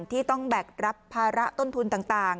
ที่ต้องแบกรับภาระต้นทุนต่าง